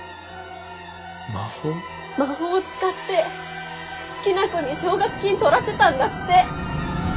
魔法を使って好きな子に奨学金取らせたんだって。